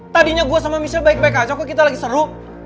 tadinya gue sama misal baik baik aja kok kita lagi seru